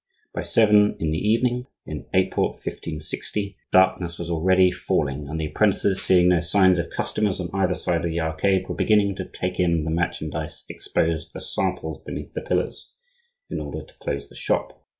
By seven in the evening, in April, 1560, darkness was already falling, and the apprentices, seeing no signs of customers on either side of the arcade, were beginning to take in the merchandise exposed as samples beneath the pillars, in order to close the shop.